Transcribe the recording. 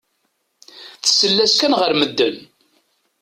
Tessal-as kan ɣer medden.